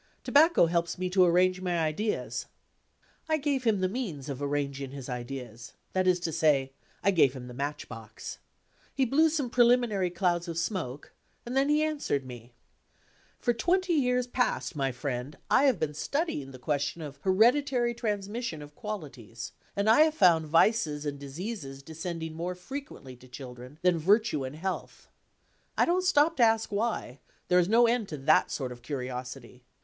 "Tobacco helps me to arrange my ideas." I gave him the means of arranging his ideas; that is to say, I gave him the match box. He blew some preliminary clouds of smoke and then he answered me: "For twenty years past, my friend, I have been studying the question of hereditary transmission of qualities; and I have found vices and diseases descending more frequently to children than virtue and health. I don't stop to ask why: there is no end to that sort of curiosity.